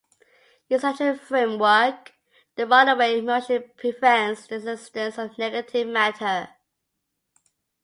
In such a framework, the runaway motion prevents the existence of negative matter.